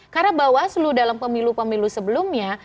karena bawah selu dalam pemilu pemilu sebelumnya